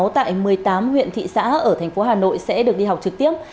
tại một mươi tám huyện thị xã ở tp hà nội sẽ được đi học trực tiếp